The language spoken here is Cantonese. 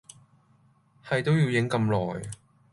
係都要影咁耐